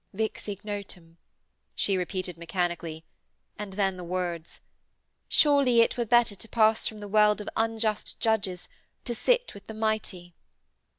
'Vix ignotum,' she repeated mechanically, and then the words: 'Surely it were better to pass from the world of unjust judges to sit with the mighty....'